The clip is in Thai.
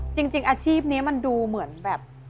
จริงอาชีพนี้มันดูเหมือนแบบ